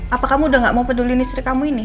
apa kamu udah gak mau peduli listrik kamu ini